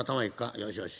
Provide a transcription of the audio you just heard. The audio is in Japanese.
よしよし